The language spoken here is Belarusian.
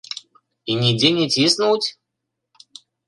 І нідзе не ціснуць?